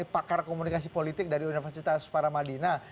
pakar komunikasi politik dari universitas paramadina